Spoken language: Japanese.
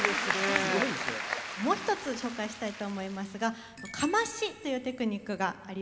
もう一つ紹介したいと思いますがカマシというテクニックがあります。